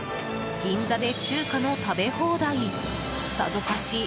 銀座で中華の食べ放題さぞかし